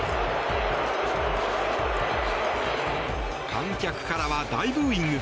観客からは大ブーイング。